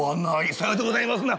「さようでございますな」。